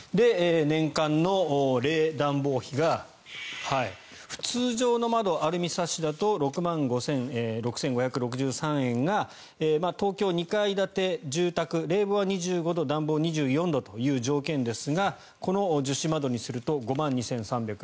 年間の冷暖房費が通常の窓、アルミサッシだと６万６５６３円が東京、２階建て住宅冷房は２５度暖房は２４度という条件ですがこの樹脂窓にすると５万２３６３円。